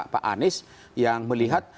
pak anies yang melihat